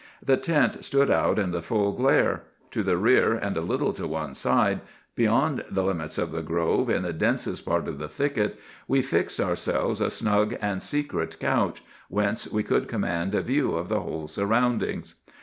The tent stood out in the full glare. To the rear and a little to one side, beyond the limits of the grove, in the densest part of the thicket, we fixed ourselves a snug and secret couch, whence we could command a view of the whole surroundings.